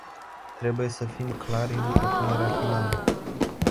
Trebuie să fim clari în propunerea finală.